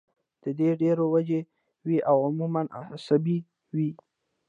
د دې ډېرې وجې وي او عموماً اعصابي وي